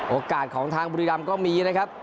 โอกาสของทางบุรีรำก็มีนะครับ